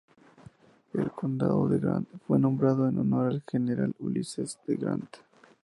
El condado de Grant fue nombrado en honor del general Ulysses S. Grant.